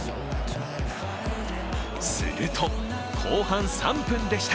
すると、後半３分でした。